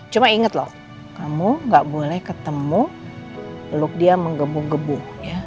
cuma inget loh kamu gak boleh ketemu look dia menggebu gebu